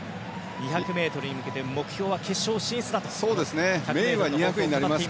２００ｍに向けて目標は決勝進出だと語っています。